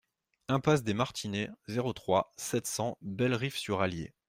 Impasse des Martinets, zéro trois, sept cents Bellerive-sur-Allier